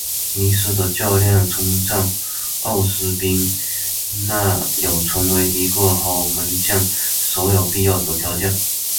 尼斯的教练称赞奥斯宾拿有成为一个好门将所有必要的条件。